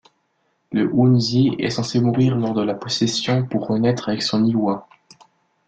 La hounsi est censé mourir lors de la possession pour renaître avec son lwa.